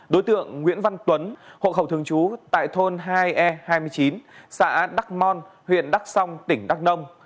đối tượng nguyễn văn tuấn hộ khẩu thường trú tại thôn hai e hai mươi chín xã đắc mon huyện đắc song tỉnh đắk nông